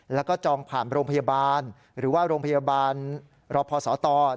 แล้วก็จองผ่านโรงพยาบาลหรือว่าโรงพยาบาลรพศต